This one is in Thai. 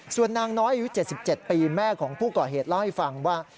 ส่วนนางน้อยอายุ๗๗ปีแม่ของผู้ก่อเหตุเล่าให้ฟังว่า